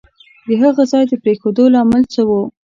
د هغه ځای د پرېښودو لامل څه وو؟